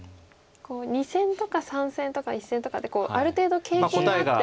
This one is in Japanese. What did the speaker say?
２線とか３線とか１線とかってある程度経験があって。